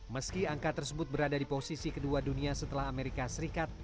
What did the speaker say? meski angka tersebut berada di posisi kedua dunia setelah amerika serikat